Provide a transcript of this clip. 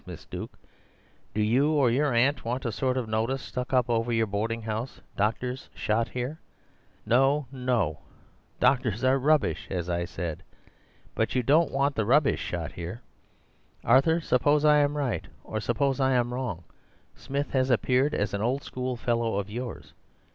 Miss Duke, do you or your aunt want a sort of notice stuck up over your boarding house—'Doctors shot here.'? No, no—doctors are rubbish, as I said; but you don't want the rubbish shot here. Arthur, suppose I am right, or suppose I am wrong. Smith has appeared as an old schoolfellow of yours.